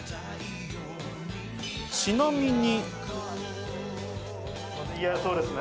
ちなみに。